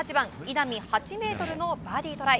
稲見、８ｍのバーディートライ。